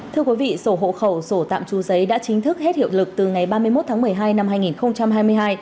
thưa quý vị sổ hộ khẩu sổ tạm trú giấy đã chính thức hết hiệu lực từ ngày ba mươi một tháng một mươi hai năm hai nghìn hai mươi hai